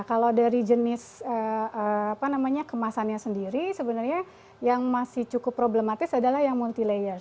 kalau dari jenis kemasannya sendiri sebenarnya yang masih cukup problematis adalah yang multi layer